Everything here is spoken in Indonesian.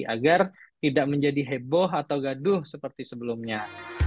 agar tidak menjadi heboh atau gaduh seperti sebelumnya